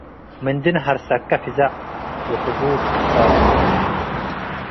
ምንዲ ነሀርሰከ ፍዘዕ - ወክቡድ ቅሳኑ